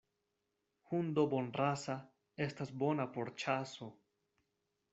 Hundo bonrasa estas bona por ĉaso.